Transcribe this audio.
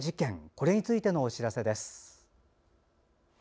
これについてのお知らせです。